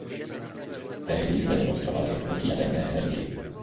Tehdy jsme demonstrovali proti jaderné energii.